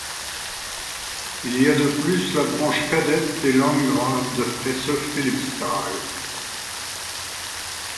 Il y a de plus la branche cadette des langraves de Hesse-Philippstal.